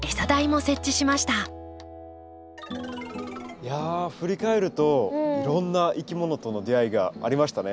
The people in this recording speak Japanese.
いや振り返るといろんないきものとの出会いがありましたね。